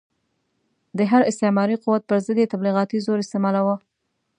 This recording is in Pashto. د هر استعماري قوت پر ضد یې تبلیغاتي زور استعمالاوه.